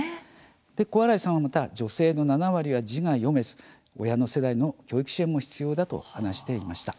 小荒井さんはまた女性の７割は字が読めず親の世代への教育支援も必要だと話していました。